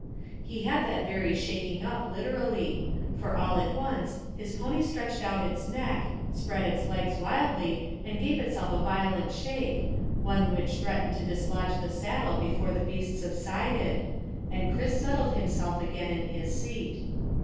He had that very shaking up literally, for all at once his pony stretched out its neck, spread its legs widely, and gave itself a violent shake, one which threatened to dislodge the saddle before the beast subsided, and Chris settled himself again in his seat.